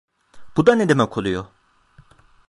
Bu da ne demek oluyor?